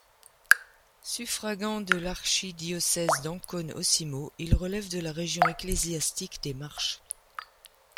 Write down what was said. Suffragant de l'archidiocèse d'Ancône-Osimo, il relève de la région ecclésiastique des Marches.